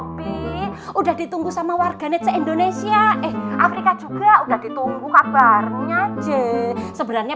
tapi udah ditunggu sama warganet indonesia eh afrika juga udah ditunggu kabarnya je sebenarnya